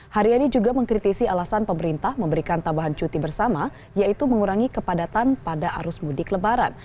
haryani juga mengkritisi alasan pemerintah memberikan tambahan cuti bersama yaitu mengurangi kepadatan pada arus mudik lebaran